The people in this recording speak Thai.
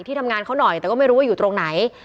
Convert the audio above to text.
ทำงานเขาหน่อยแต่ก็ไม่รู้ว่าอยู่ตรงไหน